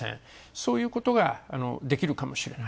そういうことができるかもしれない。